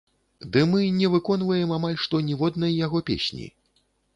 Ды мы не выконваем амаль што ніводнай яго песні.